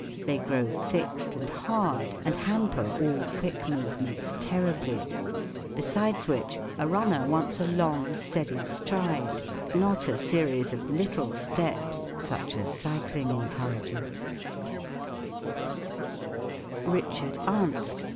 They grow fixed and hard, and hamper all quick movements terribly* Besides which a runner wants a long, steady stride, not a series of little steps such as cycling encourages* RICHARD ARNST.